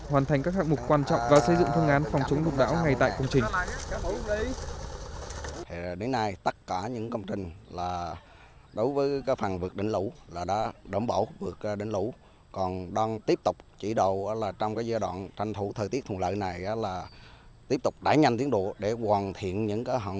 hoàn thành các hạng mục quan trọng vào xây dựng thương án phòng chống lục đảo ngay tại công trình